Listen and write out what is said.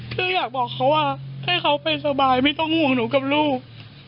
คืออยากบอกเขาว่าให้เขาไปสบายไม่ต้องห่วงหนูกับลูก